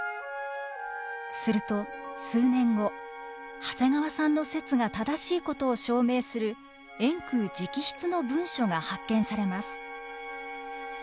すると数年後長谷川さんの説が正しいことを証明する円空直筆の文書が発見されます。